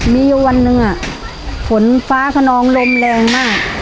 มีวันหนึ่งอะฝนฟ้าขนองลมแรงมาก